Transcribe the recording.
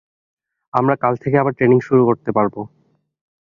আমরা কাল থেকে আবার ট্রেনিং শুরু করতে পারব।